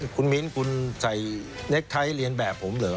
คุณมิ้นคุณใส่เน็กไทท์เรียนแบบผมเหรอ